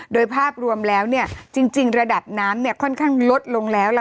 โดยภาพรวมแล้วเนี่ยจริงระดับน้ำเนี่ยค่อนข้างลดลงแล้วล่ะค่ะ